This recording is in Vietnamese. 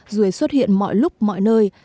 ruồi xuất hiện mọi lúc mọi nơi